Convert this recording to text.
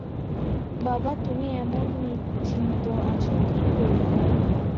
বাবা, তুমি এমন নিশ্চিন্ত আছ কী করিয়া?